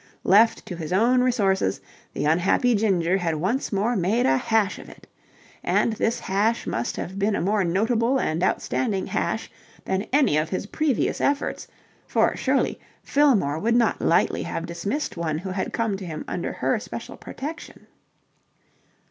Left to his own resources, the unhappy Ginger had once more made a hash of it. And this hash must have been a more notable and outstanding hash than any of his previous efforts, for, surely, Fillmore would not lightly have dismissed one who had come to him under her special protection.